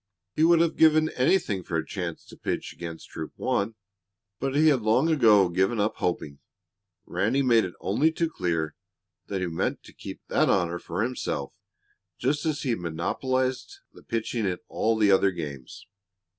He would have given anything for a chance to pitch against Troop One, but he had long ago given up hoping, Ranny made it only too clear that he meant to keep that honor for himself, just as he had monopolized the pitching in all the other games.